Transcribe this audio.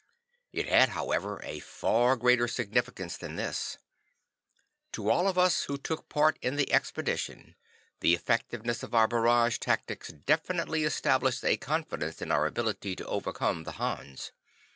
It had, however, a far greater significance than this. To all of us who took part in the expedition, the effectiveness of our barrage tactics definitely established a confidence in our ability to overcome the Hans.